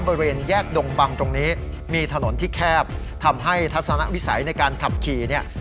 บริเวณแยกดงบังตรงนี้มีถนนที่แคบทำให้ทัศนวิสัยในการขับขี่เนี่ย